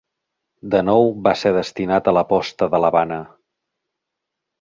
De nou va ser destinat a la posta de l'Havana.